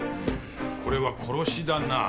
これは殺しだなあ。